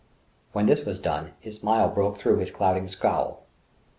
When this was done, his smile broke through his clouding scowl.